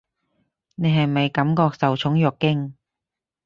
你係咪感覺受寵若驚？